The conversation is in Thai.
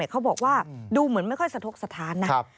เขาบอกว่าดูเหมือนไม่ค่อยสะทกสถานนะ